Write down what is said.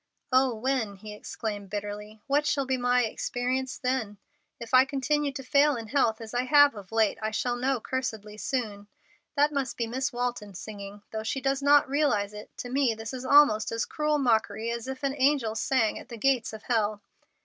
"Oh, when!" he exclaimed, bitterly. "What shall be my experience then? If I continue to fail in health as I have of late I shall know cursedly soon. That must be Miss Walton singing. Though she does not realize it, to me this is almost as cruel mockery as if an angel sang at the gates of hell."